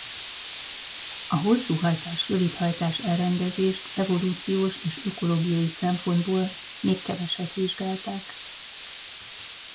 A hosszúhajtás-rövidhajtás elrendezést evolúciós és ökológiai szempontból még keveset vizsgálták.